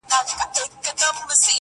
« که مي څوک په فقیری شمېري فقیر سم-